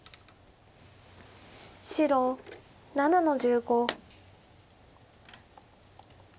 白７の十五。